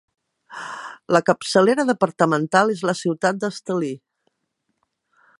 La capçalera departamental és la ciutat d'Estelí.